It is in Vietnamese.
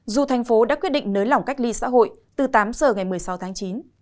dù thành phố đã quyết định nới lỏng cách ly xã hội từ tám giờ ngày một mươi sáu tháng chín